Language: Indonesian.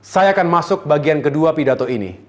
saya akan masuk bagian kedua pidato ini